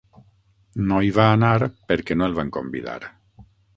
No hi va anar perquè no el van convidar.